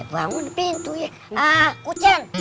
bangun pintunya kusen